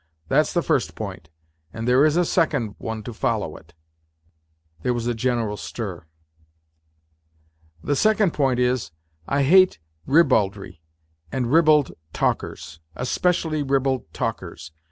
t: the first point, and there is a second one to follow it." There was a general stir. " The second point is : I hate ribaldry and ribald talkers. Especially ribald talkers